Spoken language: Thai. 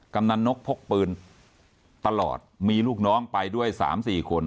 กำลังนกพกปืนตลอดมีลูกน้องไปด้วย๓๔คน